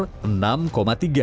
sementara di regional asia tenggara